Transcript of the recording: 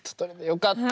よかった。